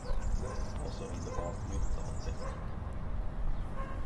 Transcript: Det var så underbart nytt allting.